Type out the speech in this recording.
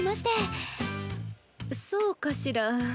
そうかしら。